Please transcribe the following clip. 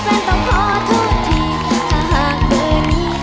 ถ้าหากเบอร์นี้